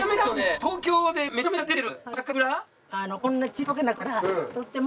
東京でめちゃめちゃ出てる。